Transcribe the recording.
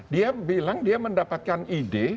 dia bilang dia mendapatkan ide